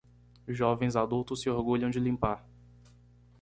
Jovens adultos se orgulham de limpar.